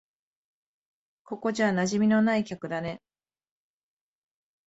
ここじゃ馴染みのない客だね。